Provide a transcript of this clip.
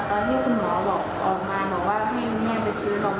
ตอนที่คุณหมอบอกออกมาหมอบอกว่าให้แม่ไปซื้อน้องพี่น้อง